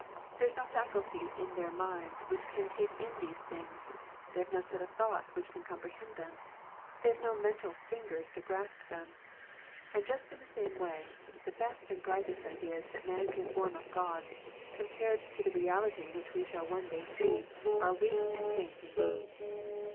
There is no faculty in their minds which can take in these things ; they have no set of thoughts which can comprehend them ; they have no mental fingers to grasp them. And just in the same way, the best and brightest ideas that man can form of God, compared to the reality which we shall one day see, are weak and faint indeed.